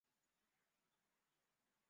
Maneno yamesemwa lakini si ya maana